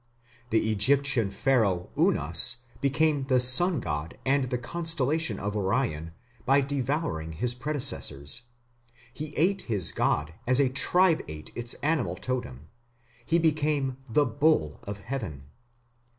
The Egyptian Pharaoh Unas became the sun god and the constellation of Orion by devouring his predecessors. He ate his god as a tribe ate its animal totem; he became the "bull of heaven".